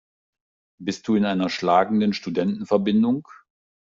Bist du in einer schlagenden Studentenverbindung?